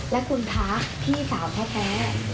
และคุณคะพี่สาวแท้